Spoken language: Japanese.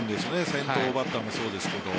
先頭バッターもそうですけど。